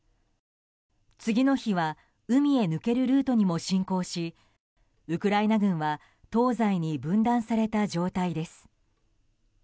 次の日は海へ抜けるルートにも侵攻しウクライナ軍は東西に分断された状態です。